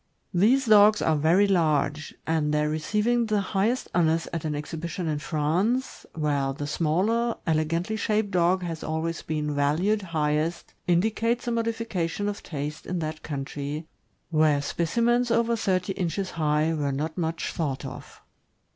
These dogs are very large; and their receiving the highest honors at an exhibition in France, where the smaller, elegantly shaped dog has always been valued highest, indicates a modification of taste in that country, where specimens over thirty inches high were not much thought of.